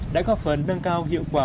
đã góp phần nâng cao hiệu quả